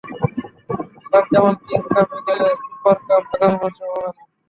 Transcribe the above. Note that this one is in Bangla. শেখ জামাল কিংস কাপে গেলে সুপার কাপ আগামী মাসেও হবে না।